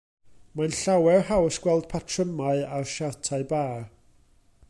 Mae'n llawer haws gweld patrymau ar siartiau bar.